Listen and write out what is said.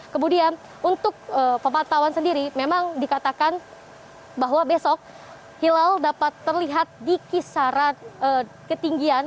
kemudian untuk pemantauan sendiri memang dikatakan bahwa besok hilal dapat terlihat di kisaran ketinggian